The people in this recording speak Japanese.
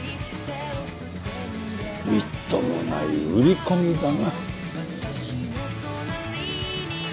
みっともない売り込みだな。